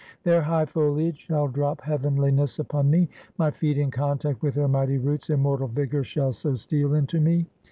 Their high foliage shall drop heavenliness upon me; my feet in contact with their mighty roots, immortal vigor shall so steal into me.